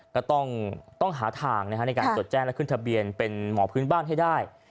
ก็ต้องหาทางในการจดแจ้งและขึ้นทะเบียนเป็นหมอพื้นบ้านให้ได้